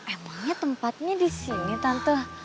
emangnya tempatnya disini tante